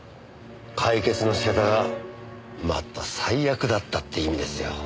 解決の仕方がまた最悪だったって意味ですよ。